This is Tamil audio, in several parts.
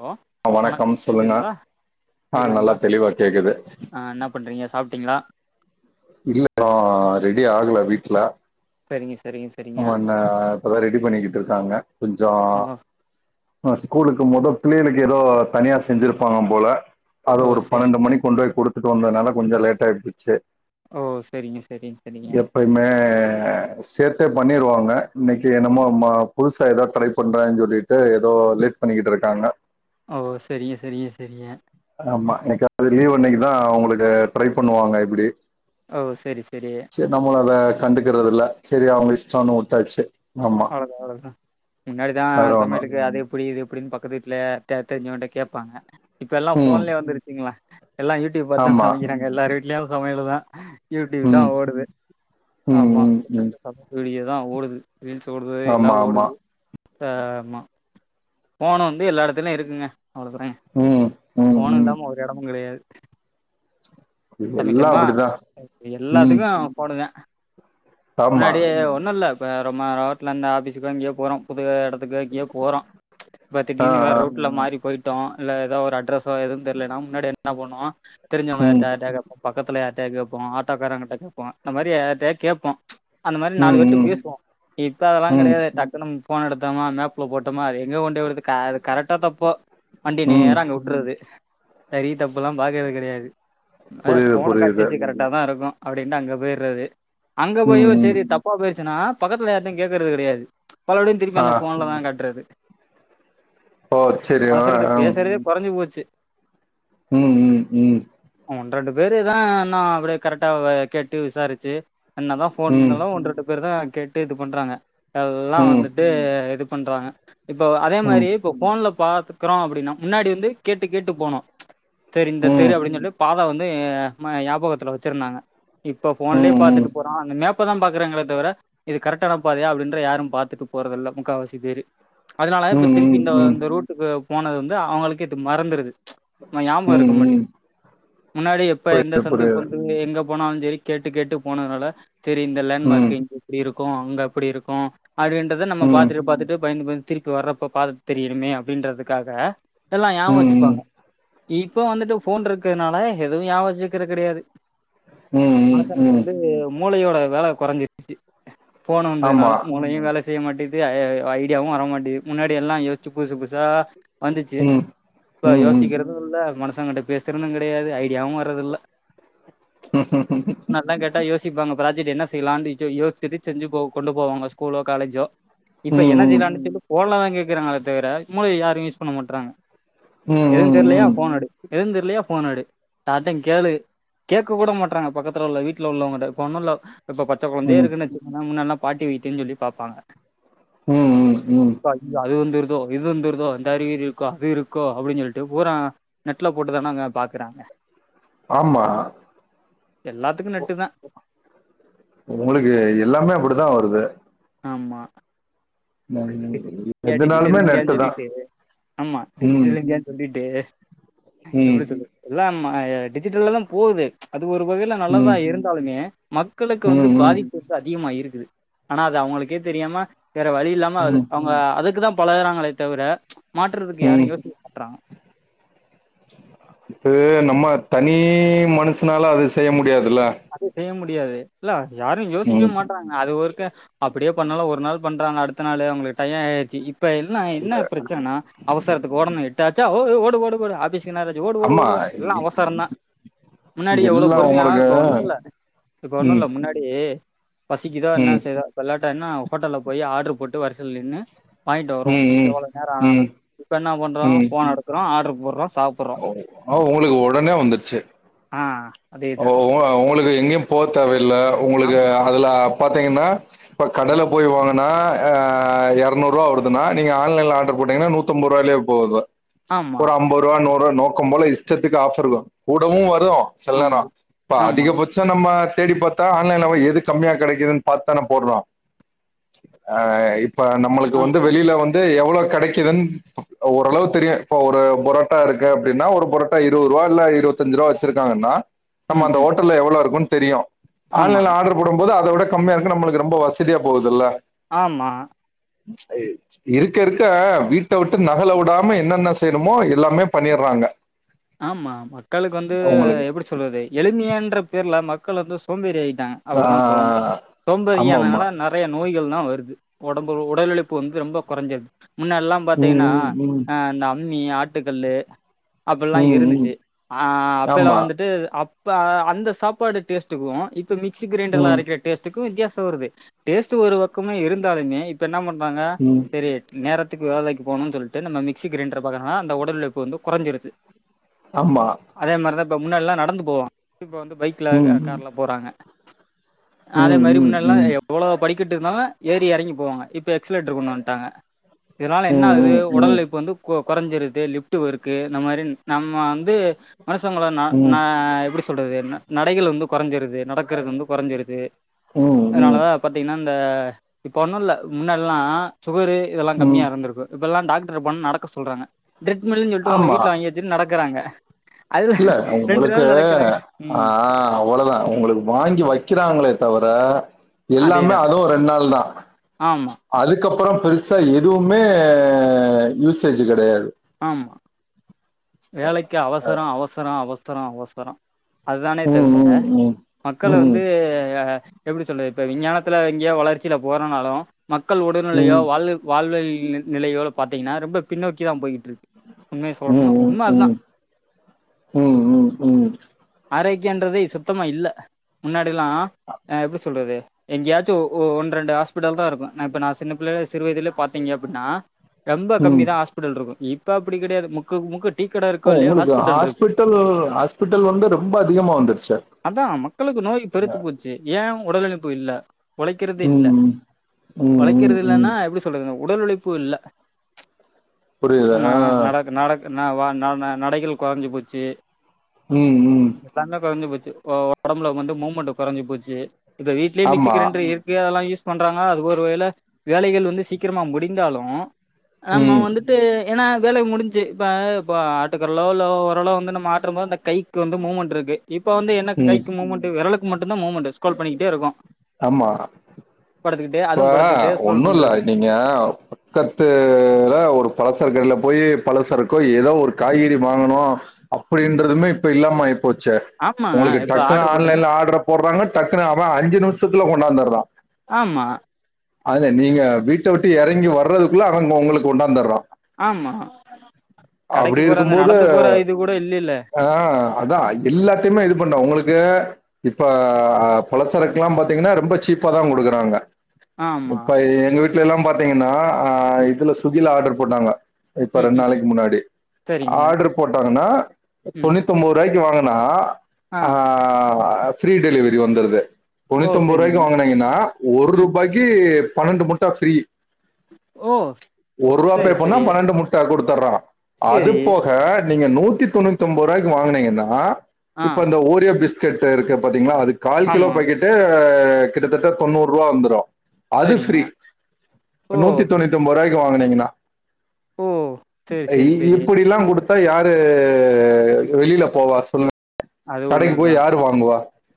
ஹலோ அ வணக்கம் சொல்லுங்க ஆ கேக்குதுங்களா நல்லா தெளிவா கேக்குது ஆ என்ன பண்றீங்க சாப்ட்டீங்ளா இல்ல [inaudible] ரெடி ஆகல வீட்ல செரிங்க செரிங்க ஆமா இந்த இப்பதா ரெடி பண்ணிக்கிட்ருக்காங்க கொஞ்சோ ஓ அ ஸ்கூலுக்கு மொதோ பிள்ளைகளுக்கு எதோ தனியா செஞ்சிருப்பாங்க போல அது ஓ ஒரு சரிங்க பன்னெண்டு சரிங்க மணிக் கொண்டோய் குடுத்துட்டு வந்ததுனால கொஞ்சோ லேட் ஆய் போச்சு ஓ செரிங்க செரிங் செரிங்க எப்பயுமே சேத்தே பண்ணீருவாங்க இன்னைக்கி சரி என்னமோ மா புதுசா எதோ ட்ரை பண்றேன் சொல்லிட்டு எதோ லேட் பண்ணிக்கிட்ருக்காங்க ஓ செரிங்க செரிங்க செரிங்க ஆமா என்னைகாது லீவ் அன்னைக்குதா அவுங்களுக்கு ட்ரை பண்ணுவாங்க இப்பிடி ஓ செரி செரி செரி நம்மளு அத கண்டுக்கிறதில்ல செரி அவ்ங்க இஷ்டோனு உட்டாச்சு அவ்ளதா அவ்ளதா முன்னாடிதா வேற ஒண்ணு சமையலுக்கு அது புரியிது எப்டின் பக்கத்து வீட்ல தே தெரிஞ்சவன்ட்ட கேப்பாங்க இப்போ எல்லா ம் ஃபோன்லே வந்துருச்சுங்ள எல்லா யூடியூப் பாத் தா ஆமா சமைக்கிறாங்க எல்லார் வீட்லயு சமையலு தா யூடியூப் தா ம் ஓடுது ம் ஆமா ம் ம் யூடியூப்ல சமையல் வீடியோ தா ஓடுது ரீல்ஸ் ஓடுது எல்லா ஆமா ஆமா ஓடுது த ஆமா ஃபோனு வந்து எல்லா எடத்துலயு இருக்குங்க அவ்ளோ தாங்க ம் ம் ஃபோன் இல்லாம ஒரு எடமு கெடையாது ம் எல்லா சமைக்கண்மா அப்படிதா ம் எல்லாத்துக்கு ஃபோனு தா ஆமா முன்னாடியே ஒன்னுல்ல இப்ப ரொம்ம ரோட்ல இர்ந்து ஆஃபீஸுக்கோ எங்யோ போறோ புது எடத்துக்கு எங்யோ போறோ இப்ப ஆ திடீர்னு வேற ஆ ரூட்ல மாறி போய்ட் டோ இல்ல எதா ஒரு அட்ரஸோ எதுவு தெர்லீனா முன்னாடி என்ன பண்ணுவோ தெரிஞ்சவ்ங்க ம் யார்ட்ட யார்ட்டயாது கேப்போ பக்கத்துல யார்ட்டயாது கேப்போ ஆட்டோக்காரங்கிட்ட கேப்போ இந்த மாரி யார்ட்டயாது கேப்போ அந்த மாரி நாலு பேர்ட்ட ம் ம் பேசுவோ இப்ப அதுலா ம் கெடயாது டக்குனு ஃபோன் எடுத்தாமா மேப்ல்ல போட்டம்மா அது எங்க கொண்டி போய் விடுது க அது கரக்டா தப்போ வண்டி ம் நேர அங்கவுட் பண்றது சரி தப்புல்லா பாக்குறது கிடையாது அ புரியுது போன் புரியுது காட்டிச்சி கரட் தா இருக்கும் அப்டின்ட்டு அங்க போய்றது அங்க போய் ம் ம் சரி தப்பா போயிடுச்சுன்னா பக்கத்துல்ல யாருட்டையு கேட்கறது கிடையாது மறுபடியு திருப்பி ஆ அந்த ஃபோனல தா காட்டுறது ஓ சரி ஆ மனுஷக்கிட்ட ஆ பேசறதே குறஞ்சு போச்சு ம் ம் ம் ஒன் ரெண்டு பேருதா இன்னோ அப்டியே கரக்டா கேட்டு விசாரிச்சு என்ன தா ஃபோன் ம் இருந்தாலு ஒன் ரெண்டு பேர் தா கேட்டு இது பண்ணுறாங்க எல்லா ம் வந்துட்டு இது பண்றாங்க இப்போ அதே மாதிரி ம் இப்ப போன்ல பாத்துக்கிறோ அப்டின்னா முன்னாடி வந்து கேட்டு கேட்டு போனோ சேரி இந்த ம் தெரு அப்டின்னு சொல்லிட்டு பாத வந்து அ ஞாபகத்துல்ல வச்சிருந்தாங்க இப்ப ம் ம் போன்லயே ம் பார்த்துட்டு போ அ அந்த மேப்ப தா பாக்குறங்களே தவர இது கரக்ட்டான்னா பாதையா அப்டின்றத யாரு பாத்துட்டு போறதில்ல முக்காவாசி பேரு அதுனாலதா இப்ப திருப்பி ம் ம் இந்த இந்த ரூட்டுக்கு போனது வந்து அவங்களுக்கு இது மறந்துடுது ஞாயபக ம் இருக்க ம் மாட்டிது முன்னாடி எப்ப எந்த புரியுது சந்து புரியுது பொந்து எங்க போனாலு சேரி கேட்டு கேட்டு போனதுனால சரி இந்த லேண்ட்மார்க் ம் இங்க இப்டி இருக்கும் அங்க அப்டி இருக்கும் அப்டின்றத நம்ம ம் பாத்தட்டு ம் பாத்துட்டு பயந்து பயந்து திருப்பி வர்றப்ப பாத தெரியணுமே அப்டின்றதுக்காக எல்லா ஞாப வச்சுப்பாங்க இப்போ வந்துட்டு போன் இருக்குறதுனால எதுவு ஞாபக வச்சுக்கிறது கிடையாது ம் ம் ம் மனுசனுக்கு ம் வந்து மூளையோட வேல குறஞ்சிருச்சு போன ஆமா வந்ததுனால மூலையு வேல செய்ய மாட்டிது ஐ ஐடியாவு வர மாட்டிது முன்னாடி எல்லா யோச்சு புதுசு புதுசா வந்துச்சு ம் இப்போ ம் ம் யோசிக்கிறது இல்ல மனுசங்கிட்ட பேசுறது கிடையாது ஐடியாவு வர்றதில்ல ம் ம் எல்லா கரட்டா யோசிப்பாங்க ப்ராஜெக்ட் என்ன செய்லான்டு அய்யயோ திடீர்னு செஞ்சு போவோ கொண்டு போவாங்க ஸ்கூலோ காலேஜோ இப்ப எனன ம் ம் செய்லான்டு போன்லதா கேக்குறாங்கள தவிர முளைய யாரும் யூஸ் பண்ண மாட்டறாங்க ம் எதும் ம் தெரிலயா போன்ன எடு எதும் தெரிலயா போன்ன எடு யார்ட்ட கேளு கேக்க கூட மாட்டறாங்க பக்கத்துல உள்ள வீட்டுல உள்ளவங்கிட்ட இப்ப ஒண்ணுல்ல இப்ப பச்சக்குழந்தையே ம் ம் இருக்குதுன்னு வைச்சிக்கோங்கள முன்னாடில்லா பாட்டி வைத்தியம்ன்னு சொல்லி பார்ப்பாங்க ம் ம் ம் அய்யோ அது வந்துருதோ இது வந்துருதோ இந்த அறிகுறி இருக்கோ அது இருக்கோ அப்டின்னு சொல்லிட்டு பூரா நெட்ல போட்டு தானங்க போட்டு பாக்குறாங்க ஆமா எல்லாத்துக்கு நெட்டு தா உங்களுக்கு எல்லாமே அப்டிதா வருது ஆமா ம், இந்தியா டிஜிட்டல் எதுனாலுமே இந்தியான்னு நெட்டு தா சொல்லிட்டு ஆமா ம் டிஜிட்டல் இந்தியான்னு சொல்லிட்டு எப்டி சொல்லுறது ம் எல்லா டிஜிட்டல்ல தா போது அது ஒரு வகையில நல்லதா ம் இருந்தாலுமே மக்களுக்கு ம் வந்து ம் ம் பாதிப்புக்கு அதிகமா இருக்குது ஆனா அது அவங்களுக்கே தெரியாம வேற வழி இல்லாம அது அவங்க அதுக்கு தா பழகறாங்களே தவிர மாற்றுறதுக்கு ம் யாரு யோசிக்க மாட்டுறாங்க இது நம்ம தனி மனுசன்னால அது செய்ய முடியாதுல்ல அது செய்ய முடியாது இல்ல யாரு யோசிக்கவே ம் மாட்டறாங்க அது ஒருக்க அப்டியே பண்ணாலு ஒரு நாள் பண்றாங்க அடுத்த நாள் அவங்களுக்கு டைய ஆயிடுச்சு இப் இப்ப என்ன என்ன பிரச்சனன்னா அவசரத்துக்கு ஒடன்னு எட்டாச்சா ஓ ஓஓ ஓடு ஓடு ஆஃபீஸ் [unintelligible] ஓடு ஓடு ஆமா ஓடு எல்லாம் அவசரம் தான் முன்னாடி எவ்வளோ எல்லா பொறுமையா உங்களுக்கு ஒன்னு இல்லை இப்ப ஒன்னு ம் இல்லை முன்னாடி பசிக்குதோ என்ன ம் செய்தோ விளாட்டா என்ன ஹோட்டல்ல போய் ஆர்டரு போட்டு வரிசல நின்னு வாங்கிட்டு வருவோம் ம் எவ்வளோ நேரம் ம் ஆனாலும் ம் இப்போ என்ன பண்றோம் ஃபோன் எடுக்குறோம் ஆட்ரு போடுறோம் சாப்பிடுறோம் ஒ ஒங்களுக்கு உடனே வந்துருச்சு ஆஹ் ஒ அதேதான் ஒங்க ஒங்களுக்கு எங்யு போ தேவல்ல உங்களுக்கு ஆமா அதுல பாத்தீங்கன்னா இப்ப கடல போய் வாங்குனா அ எரநூறு ரூபா வருதுன்னா நீங்க ஆன்லைன்ல ஆர்டர் போட்டிங்கன்னா நூ தொன்பது ரூபாயிலயே போது ஆமா ஒரு ஐம்பது ரூபா நூறு ரூபா நோக்கம் போல இஷ்டத்துக்கு ஆஃபர் இருக்கும் கூடவும் வரும் செல நேரோ ஆமா. இப்ப ஆமா. அதிகபட் சம் நம்ம தேடி பாத்தா ஆன்லைன்ல போய் எது கம்மியா கிடைக்குதுன்னு பாத்து தான போடுறோம் அ இப்ப நம் நம்மளுக்கு வந்து ஆமா. வெளில வந்து எவ்வளோ கிடைக்குதுன்னு ஓரளவு தெரியும் இப்ப ஒரு புரோ ட்டா இருக்கு அப்டினா ஒரு புரட்டா இருபது ரூபா இல்ல இருபத்திஞ்சு ரூபா வச்சிருக்காங்கன்னா நம்ம ம், அந்த ம். ஓட்டல் எவ்வளவு இருக்கும் தெரியும் ஆமா, ஆன்லைன்ல ஆர்டர் போடும் போது அத விட கம்மியா இருக்கு நம்மளுக்கு ரொம்ப வசதியா போகுதுல்ல ஆமா செரி செ இருக்க இருக்க வீட்ட விட்டு நகல விடாம என்னென்ன செய்யணுமோ எல்லாமே பண்ணிறாங்க ஆமா மக்களுக்கு வந்து எப்படி சொல்றது எளிமையான்ற பேர்ல மக்கள் வந்து சோம்பேறியாயி டாங்க அப்டிதான் சொல்லணும் ஆ ஆமா ஆமா சோம்பேரியானனாள நிறை ய நோய்கள் தான் வருது உடம்பு உடல்உழைப்பு வந்து ரொம்ப குறைஞ்சது முன்ன ம் எல்லாம் பாத்தீங்கன்னா ம் ம் அ இந்த அம்மி ஆட்டுக்கல்லு அப்பல்லாம் ம் ம் இருந்துச்சு ஆமா அப்பயல்லாம் வந்துட்டு அ அந்த சாப்பாடு டேஸ்டுக்கும் இப் ப மிக்சி கிரைண்டர்ல ம் அரைக்கிற டேஸ்டுக்கும் வித்தியாசம் வருது டேஸ்ட் ஒரு பக்கமா இருந்தாலுமே இப்ப என்ன பண்றாங்க ம் தெரிய நேரத்துக்கு வேலைக்கு போணும்னு சொல்லிட்டு நம்ம மிக்சி கிரைண்டர்ர பார்க்கறோனா அந்த உடல் உழைப்பு வந்து குறைஞ்சிருது ஆமா அதே மாரிதான் இப்ப முன்னாடில்லாம் நடந்து போவோம் இப்ப வந்து பைக்ல க ம் கார்ல போறாங்க அதே ம் மாரி ம் முன்னல்லாம் ம் எவ்வளோ படிக்கிட்டு இருந்தாலும் ஏறி இறங்கி போவாங்க இப்ப எக்சலேட்டர் கொண்டு வந்டாங்க இதனால என்ன ஆகுது ம் உடல் ம் உழைப்பு வந்து கொ கொறைஞ்சிருது லிஃப்ட் ஒர்க்கு இந்த மாரி நம்ம வந்து மனுஷங்கள ந ம் ம் ந எப்டி சொ சொல்றது ந நடைகள் வந்து குறைஞ்சிருது நடக்கிறது வந்து குறைஞ்சிருது ம் அதனால ம் தான் பாத்தீங்கன்னா இந்த இப்போ ஒன்னும் இல்ல முன்னெல்லாம் சுகரு இதெல்லாம் ம் கம்மியாக இருந்திருக்கு இப்பெல்லாம் டாக்டர போனா நடக்க சொல்றாங்க ட்ரெட்மில்ன்னு சொல்லிட்டு ஆமா. வீட்டுல வாங்கி வச்சிட்டு நடக்கறாங்க இல்ல உங்களுக்கு ஆ ம் அவ்வளோதான் உங்களுக் வாங்கி வைக்கிறாங்களே தவிர அதே எல்லாமே தான் அவும் ரெண்டு நாள் தான் ஆமாம் அதுக்கப்புறம் பெருசா எதுவுமே யூசேஜ் கிடையாது ஆமா வேலைக்கு அவசரொ அவசரொ அவசரொ அவசரொ அதுதானே ம், தவிர ம், ம். மக்கள ம், வந்து எப்படி சொல்றது இப்போ விஞ்ஞானத்தில் எங்கேயோ வளர்ச்சியில போறோனாலும் மக்கள் உடல்நிலையோ ம், வாழ் வாழ்வைல் நிலையோ பாத்திங்கன்னா ரொம்ப பின்னோக்கி தான் போயிட்டு இருக்கு உண்மய சொல்ணுன்னா உம் உம் உம் உம் உம் ஆரோக்கியன்றது சுத்தமாக இல்ல முன்னாடெிலாம் அ எப்டி சொல்றது எங்கயாச்சும் ஒ ஒ ஒன் ரெண்டு ஹாஸ்பிட்டல் தா இருக்கும் இப்ப நா சின்ன பிள்ளைள சிறுவயதுலயே பாத்தீங்க அப்டின்னா ரெம்ப ம். கம்மி தா ஹாஸ்பிட்டல் இருக்கு இப்ப அப்டி கெடையாது முக்குக்கு முக்கு டீ கடை ஓ இருக்கோ இல்லையோ உங்களுக்கு இருக்குது ஹாஸ்பிட்டல் ஹாஸ்பிட்டல் வந்து ரொம்ப அதிகமா வந்துருச்சா அதா மக்களுக்கு நோய் பெருத்து போச் சு ஏ ஒடல் உழைப்பு இல்ல ஒழைக்கிறதே ம், இல்ல ம். ம், ம், ஒழைக்கிறது ம். இல்லனா எப்டி சொ சொல்றதுங்க உடல் உழைப்பு இல்ல புரியுது. நா ஆ. நடக்க நடக் நா வா ந ந நடைகள் கொறைஞ்சி போச்சு ம் ம் தானா கொறைஞ்சி போச்சு ஒ ஒடம்புல வந்து மூமெண்ட்டு கொறைஞ்சி போச்சு இப்ப வீட்லே மிக்சி ஆமா. கிரைண்ட்ரு இருக்கு அதெல்லா யூஸ் பண்றாங்க அது ஒருவேள வேலைகள் வந்து சீக்கிரமா முடிந்தாலு ஆமா ம். வந்துட் ட்டு ஏனா வேலை முடிஞ்சு இப்ப இப்ப ஆட்டுக்கற்லோ லோ ஓரலோ வந்து நம்ம ஆற்றம் போது அந்த கைக்கு வந்து மூவ்மெண்ட் இருக்கு இப்ப வந்து என்ன ம். கைக்கு மூமெண்ட்டு வெரலுக்கு மட்டுந்தா மூமெண்ட்டு ஸ்க்ரோல் பண்ணிக்கிட்டே இருக்கோ ஆமா படுத்துக்கிட்டே இப்ப அதுவு படுத்துக்கிட்டே ஸ்க்ரோல் ஒன்னுல்ல பண்றது நீங்க பக்கத்தூல ஒரு பலசரக் கடைல போயி பலசரக்கோ எதோ ஒரு காய்கறி வாங்கணு ம் அப்டின்றதுமே இப்ப இல்லாம ஆயி போச்சே ஆமா ஒங்களுக்கு இப்ப டக்குன்னு ஆர்டர் போட்டேன்னா ஆன்லைன்ல ஆட்ர போட்றாங்க டக்குனு அவ அஞ்சு நிம்ஷ் த்துக்குள்ள கொண்டாந்துர்றா ஆமா அதுல நீங்க வீட்ட விட்டு எறங்கி வர்றதுக்குள்ள அவங் ஒங்களுக்கு கொண்டாந்துர்றா கடைக்கு அப்படி போற அந்த இருக்கும்போது நடந்து போற இது கூட இல்லேல்ல ஆ அதா எல்லாத்தையுமே இது பண்ட்டா ஒங்களுக்கு இப்ப அ பலசரக்குலா பாத்தீங்கனா ரொம்ப சீப்பா தா குடுக்குறாங்க ஆமா இப்ப எங்க வீட்லெல்லா பாத்தீங்கனா ஆ ம் இதுல ஸ்விகில ஆர்ட்ரு போட்டாங்க இப்ப ம் ரெண்டு ம் நாளைக்கு முன்னாடி சரிங்க ஆர்ட்ரு போட்டாங்கனா ம் தொண்ணூத் த்தொம்போரூவாக்கி வாங்குனா ஆ ஃபிரீ டெலிவரி வந்துடுது ஓ தொண்ணூத்தொம்போது சரிங்க ரூவாய்க்கு வாங்குனீங்கனா ஒரு ம் ரூபாய்க்கு பன்னெண்டு முட்டா ஃப்ரீ ஓ ஒர்ரூவா பே சரி பண்ணா சரி பன்னெண்டு முட் ட குடுத்துர்றா அது சரி போக நீங்க நூத்தி தொண்ணூத்தொம்போது ரூவாய்க்கு வாங்குனீங்கனா ஆ இப்ப அந்த ஓரியோ பிஸ்கெட் இருக்கு பாத்தீங்களா அது கால் கிலோ ஆமா பாக்கெட் டு கிட்டத்தட்ட தொண்ணூறுவா வந்துரு அது சரிங்க ஃப்ரீ ஓ நூத்தி தொண்ணூத்தி ஒம்போரூவாய்க்கு வாங்குனீங்கனா ஓ சரி அ இ சரி சரி இப்பிடிலா குடுத்தா யாரு வெளில போவா சொல்லு அது கடைக்கு போய் உள்ளதுதான் யாரு வாங்குவா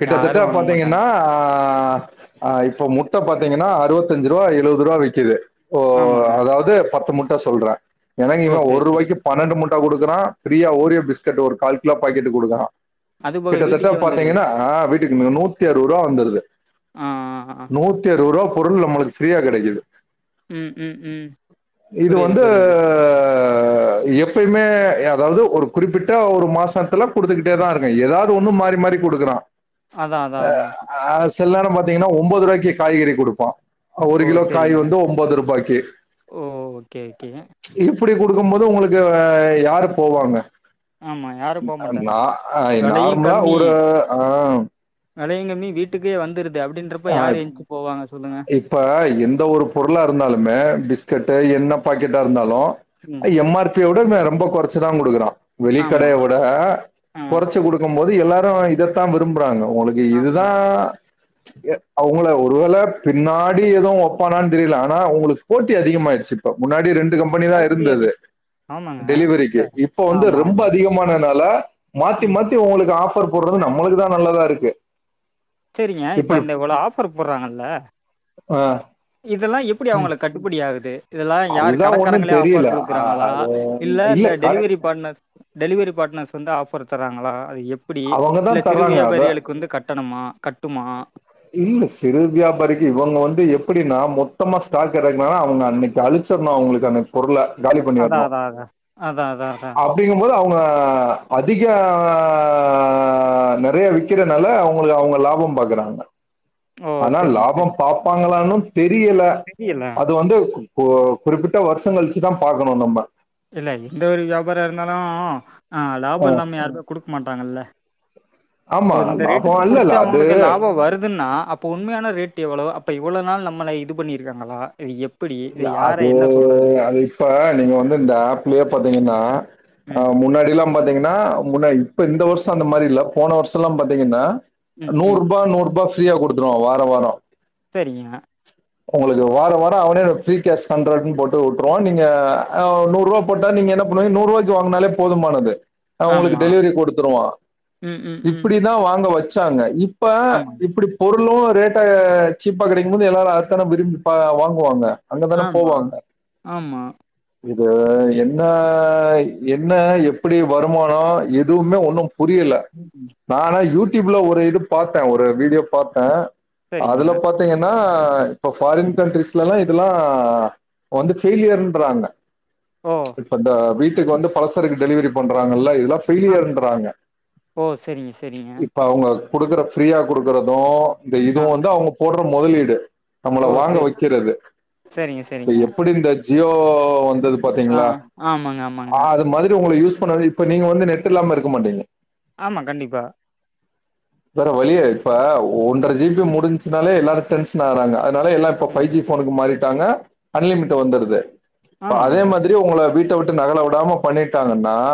கிட்டத்தட்ட யாரும் வாங்க பாத்தீங்கனா மாட்டாங்க ஆ ஆ இப்ப முட்ட பாத்தீங்கனா அறுவத்தஞ்சு ரூவா எழுவது ரூவா விக்குது ஓ ஆமாங்க அதாவ்து பத்து முட்ட சொல்றே எனக்கு ஓ இவ சரி சரி ஒரூவாய்க்கு பன்னெண்டு முட்ட குடுக்குறா ஃப்ரீயா ஓரியோ பிஸ்கெட் ஒரு கால் கிலோ பாக்கெட்டு குடுக்குறா அது போக கிட்டத்தட்ட வீட்டுக்கே வந்துருது பாத்தீங்கனா வீட் இன்னு நூத்தி அறுவோரூவா வந்துருது ஆ ஆ ஆ நூத்தி அறுவது ரூவா பொருள் நம்மளுக்கு ஃப்ரீயா கெடைக்குது ம் ம் ம் இது புரியுது வந்து புரியுது எப்பயுமே எ அதாவ்து ஒரு குறிப்பிட்ட ஒரு மாசத்துல குடுத்துக்கிட்டே தா இருக் கு எதாவ்து ஒன்னு மாறி மாறி குடுக்குறா அதான் அதான் அதான் ஆ சில நேர பாத்தீங்கனா ஒம்போது ரூவாக்கி காய்கறி குடுப்பா ஒரு ஓ கிலோ காய் சரிங்க வந்து ஒம்போது ரூபாய்க்கி ஓ ஓகே ஓகே இப்டி குடுக்கும் போது உங்களுக்கு யாரு போவாங்க ஆமா யாரும் போமாட்டாங்க ஆய் நார்மலா ஒரு அ வெலயுங்கம்மி வீட்டுக்கே வந்துருது அப்படின்றப்ப அஹ், யாரு என்சு போவாங்க சொல்லுங்க இப்ப எந்த ஒரு பொருளா இருந்தாலுமே பிஸ்கட்டு என்ன பாக்கெட்டா இருந்தாலும் ம் எம் ஆர் பி ய விட ரொம்ப கொறச்சு தான் குடுக்குறா ஆமா வெளிக்கடையவுட ஆ கொறச்சு குடு க்கும் போது எல்லாரும் இதத்தான் விரும்புறாங்க உங்களுக்கு ஆமா இதுதான் அவுங்கள ஒருவேளை பின்னாடி எதுவும் வப்பானான்னு தெரில ஆனா உங்களுக் போட்டி அதிகமாயிருச்சு இப்ப முன்னாடி ரெண் டு கம்பெனி தான் போட்டி அதி இருந்தது ஆமாங்க இந்த டெலிவரிக்கு இப்ப வந்து ஆமா ரொம்ப ஆமா அதிகமானனால மாத்தி ம் மாத்தி உங்களுக்கு ஆஃபர் போறது நம்மளுக்கு தான் நல்லதா இருக்கு சேரிங்க இப்ப இப்படி அந்த இவ்ளோ ஆஃபர் போறாங்கல்ல ஆ இதெல்லாம் எப்டி ம். அவுங்களுக்கு கட்டுப்படி ஆகுது இதெல்லாம் யார் அதுதான் ஒண்ணும் கடக்காரங்களே ஆஃபர் தெரியல. அ குடுக்கறாங்ளா அது இல்ல இந்த டெலிவரி பாட்னர்ஸ் டெலிவரி பாட்னர்ஸ் வந்து ஆபர் தராங்களா அது எப்டி அவங்க இல்ல தான் சிறு தர்றாங்க. அதான் வியாபாரிகளுக்கு வந்து கட் டணுமா கட்டுமா இல்ல சிறு வியாபாரிக்கு இவுங்க வந்து எப்புடி நா மொத்தமா ஸ்டாக் இறக்குனா அவுங்க அன்னைக் அழிச்சிரணும் அவுங்களுக்கு அந்த பொருள காலி அதா பண்ணிறணும் அதா அதா அதா அதா அதா அப் டிங்கும்போது அவுங்க அதிக நறைய விக் கிறனால அவுங்களுக்கு அவுங்க லாபம் பாக்குறாங்க ஓ ஆனா சரிங்க சரி லாபம் பாப்பாங்களான்னு தெரியல தெரியல அது வந்து இப்போ குறிப்பிட்ட வருஷம் கழிச்சுதான் பாக்கணும் நம்ம இல்ல எந்த ஒரு வியாபாரம் இருந்தாலும் ஆ லாபம் ம். இல்லாம யாருமே குடுக்க மாட்டாங்கல்ல ஆமா. இந்த ரேட்டுக்கு லாபம் இல்ல, குடுத்து இல்ல. அது அவுங்களுக்கு லாபம் வருதுன்னா அப் போ உண்மையான ரேட் எவ்ளோவு அப்போ இவ்ளோ நாள் நம்மள இது பண்ணிருக்கங்களா இது எப் இல்ல அது அது இப்ப நீங்க வந்து இந்த ஆப்லயே பாத்தீங்கன்னா ம், முன்னாடியிலாம் இப்போ பாத்தீங்கன்னா முன்ன இப்ப இந்த வருஷம் அந்த மாரி இல்ல போன வருஷம் எல்லாம் பாத்தீங்கன்னா ம், நூர் ம். ரூபா நூர் ரூபா ஃப்ரீயா குடுத்துருவா வாரம் வாரம் சரிங்க உங்களுக்கு வாரம் வாரம் அவனே ஃப்ரிகேஷ் ஹண்ரட் ன்னு போட்டு விட்ருவான் நீங்க நூறு ரூபா போட்டா நீங்க என்ன பண்ணுவீங்க நூறுவாக்கி வாங்குனால போதுமானது அவன் உங்களுக்கு ஆமா. டெலிவரி குடுத்துருவான் ம், ம், ம். இப்டி தான் வாங்க வச்சாங்க இப் இப்ப ஆமாங்க. இப்டி பொருளும் ரேட்ட சீப்பா கிடைக்கும்போது எல்லாரும் அதத்தான விரும்பி வாங்குவாங்க அங்கே தானே ஆமா போவாங்க ஆமா இது என்ன என்ன எப்டி வருமானம் எதுவுமே ஒன்னும் புரியல ம் ம் நா ஆனா யூ டி யூப் ல ஒரு இது பாத்தேன் ஒரு வீடியோ பாத்தேன் சரிங்க. அதுல பாத் தீங்கன்னா இப்ப ஃபாரின் கண்ட்ரிஸ்லல்லாம் இதெல்லாம் வந்து ஃபெயிலியர்ன்றாங்க ஓ! இப்ப இந்த வீட்டுக்கு வந்து பழசருக்கு டெலிவரி பண்றாங்கல்ல இத அ பெய்லியர்ன்றாங்க ஓ! சரிங்க, சரிங்க. இ இப்ப அவுங்க குடுக்குற ஃப்ரீயா குடுக்குறதும் இந்த ஆ. இதுவும் வந்து அவுங்க போடற முதலீடு நம்மள ஓ! வாங்க சரி. வைக்கறது சரிங்க, சரிங்க. இ எப்படி இந்த ஜியோ வந்தது ஆ. பாத்தீங்ளா ஆமாங்க, ஆமாங்க. ஆது மாதிரி உங்கள யூஸ் பண்ண இப்ப நீங்க வந்து நெட் இல்லாம இருக்க மாட்டீங்க ஆமா கண்டிப்பா வேற வழியே இப்ப ஒன்ற ஜி பி முடின்ச்சுனாலே எல்லாரு டென்ஷன் ஆறாங்க அதனால எல்லா இப்ப ஆமா, பைவ் ஜி போனுக்கு மாறிட்டாங்க அன்லிமிட் வந்துருது ப அதே ஆமாங்க. மாதிரி உங்கள வீட்ட விட்டு நகல விடாம பண்ணிட்டாங்கன்னா